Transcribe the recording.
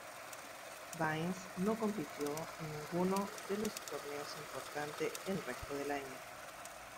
Vines no compitió en ninguno de los torneos importantes en el resto del año.